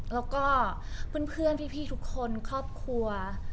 แล้วก็เพื่อนพี่ทุกคนครอบครัว